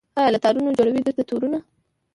له تارونو جوړوي درته تورونه